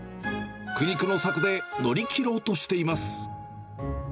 苦肉の策で乗り切ろうとしています。